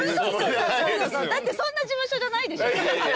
嘘嘘嘘だってそんな事務所じゃないでしょ。